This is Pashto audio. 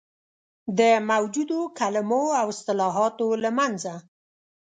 د موجودو کلمو او اصطلاحاتو له منځه.